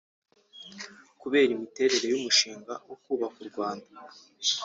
Kubera imiterere y’umushinga wo kubaka u Rwanda